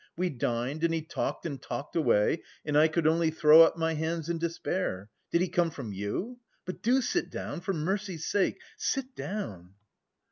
We dined and he talked and talked away, and I could only throw up my hands in despair! Did he come from you? But do sit down, for mercy's sake, sit down!"